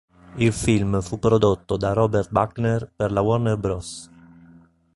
Il film fu prodotto da Robert Buckner per la Warner Bros.